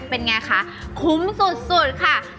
เป็นไงคะคุ้มสุดค่ะ